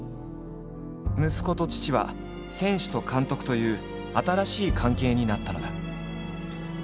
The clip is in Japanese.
「息子と父」は「選手と監督」という新しい関係になったのだ。